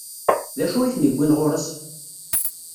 D acu i ten-iwwin ɣur-s?